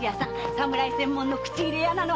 侍専門の口入屋なの。